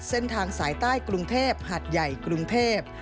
เส้นทางสายใต้กรุงเทพหัดใหญ่กรุงเทพ